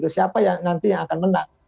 siapa yang nanti yang akan menang